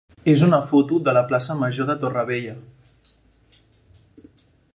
és una foto de la plaça major de Torrevella.